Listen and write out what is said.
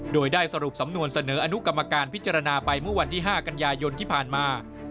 โดยได้สรุปสำนวนเสนออนุกรรมการพิจารณาไปเมื่อวันที่๕กันยายนที่ผ่านมา